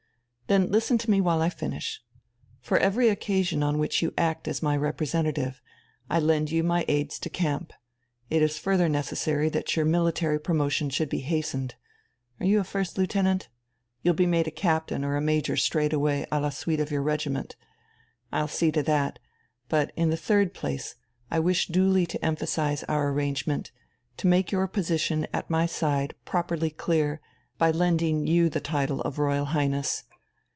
"Then listen to me while I finish. For every occasion on which you act as my representative, I lend you my aides de camp. It is further necessary that your military promotion should be hastened are you first lieutenant? You'll be made a captain or a major straight away à la suite of your regiment I'll see to that; but in the third place, I wish duly to emphasize our arrangement, to make your position at my side properly clear, by lending you the title of 'Royal Highness.'